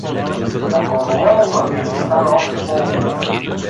На Гороломова стана още по-обидно.